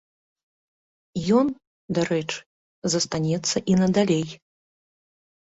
Ён, дарэчы, застанецца і надалей.